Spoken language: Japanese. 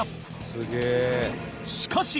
すげえ！